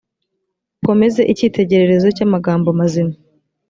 ukomeze icyitegererezo cy amagambo mazima